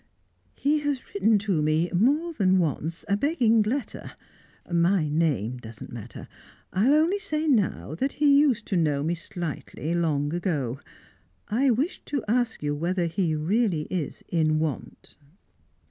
"He has written to me, more than once, a begging letter. My name doesn't matter; I'll only say now that he used to know me slightly long ago. I wish to ask you whether he is really in want."